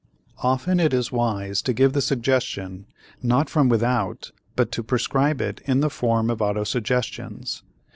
Often it is wise to give the suggestion, not from without but to prescribe it in the form of autosuggestions.